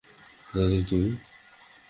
দাদী, তুমি?